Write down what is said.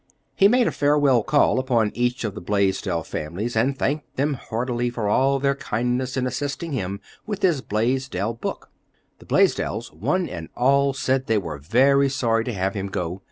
He made a farewell call upon each of the Blaisdell families, and thanked them heartily for all their kindness in assisting him with his Blaisdell book. The Blaisdells, one and all, said they were very sorry to have him go.